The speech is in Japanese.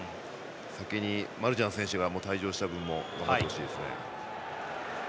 先にマルシャン選手が退場した分も頑張ってほしいですね。